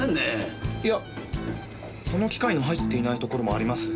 いやこの機械の入っていないところもあります。